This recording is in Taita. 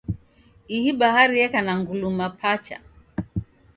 Ihi bahari yeka na nguluma pacha.